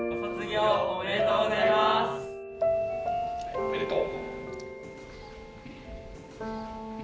おめでとう。